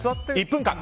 １分間。